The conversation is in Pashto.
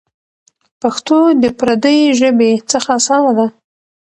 پښتو د پردۍ ژبې څخه اسانه ده.